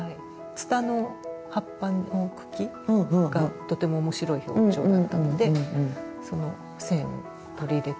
つたの葉っぱの茎がとても面白い表情だったのでその線を取り入れたり。